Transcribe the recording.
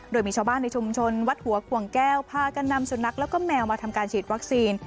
โดยมีชาวบ้านในชุมชนวัดหัวขวงแก้วพากันนำสุนัขแล้วก็แมวมาทำการฉีดวัคซีน